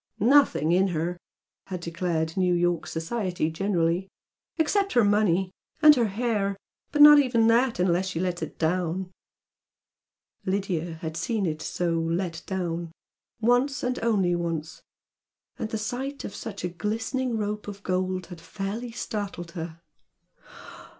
"Nothing in her!" had declared New York society generally "Except her money! And her hair but not even that unless she lets it down!" Lydia had seen it so "let down," once, and only once, and the sight of such a glistening rope of gold had fairly startled her.